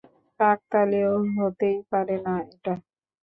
কাকতালীয় হতেই পারে না এটা।